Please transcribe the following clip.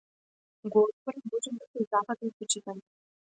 Го отвори, божем беше зафатен со читање.